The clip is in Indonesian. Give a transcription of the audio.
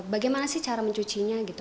bagaimana sih cara mencucinya gitu